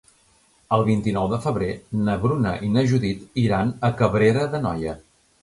El vint-i-nou de febrer na Bruna i na Judit iran a Cabrera d'Anoia.